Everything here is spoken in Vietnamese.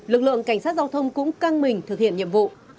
lực lượng cảnh sát giao thông cũng căng mình thực hiện nhiệm vụ